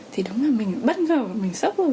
thì đúng là mình bất ngờ mình sốc rồi